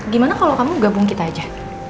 gimana kalau kamu gabung kita aja